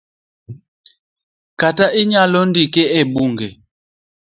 kata inyalo ndike e buge